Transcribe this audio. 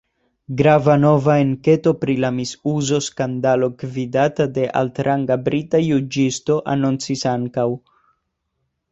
Grava nova enketo pri la misuzo skandalo gvidata de altranga brita juĝisto anoncis ankaŭ.